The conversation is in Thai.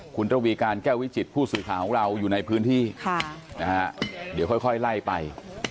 คุณระวีการแก้ววิจิตผู้สื่อข่าวของเราอยู่ในพื้นที่เดี๋ยวค่อยไล่ไป